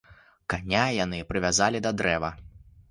Каня яны прывязалі да дрэва.